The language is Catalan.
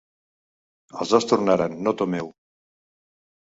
Els dos tornaran, no temeu.